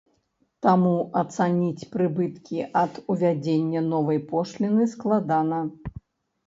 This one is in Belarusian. Таму ацаніць прыбыткі ад увядзення новай пошліны складана.